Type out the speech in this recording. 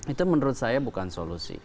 itu menurut saya bukan solusi